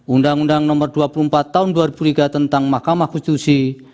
undang undang nomor dua puluh empat tahun dua ribu tiga tentang mahkamah konstitusi